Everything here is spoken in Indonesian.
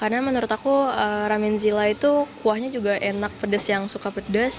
karena menurut aku ramen zila itu kuahnya juga enak pedas yang suka pedas